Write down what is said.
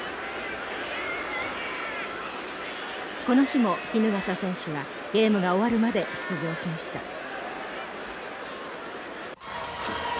この日も衣笠選手はゲームが終わるまで出場しました。